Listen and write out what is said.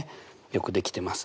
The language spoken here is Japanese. よくできてます。